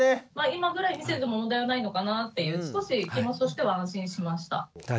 今ぐらい見てて問題はないのかなっていう少し気持ちとしては安心しました。